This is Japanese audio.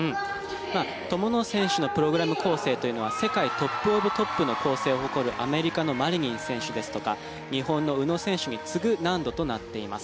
友野選手のプログラム構成というのは世界トップ・オブ・トップの構成を誇るアメリカのマリニン選手ですとか日本の宇野選手に次ぐ難度となっています。